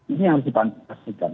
ini yang harus dipastikan